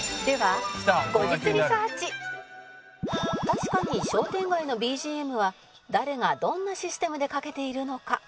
「確かに商店街のＢＧＭは誰がどんなシステムでかけているのか？」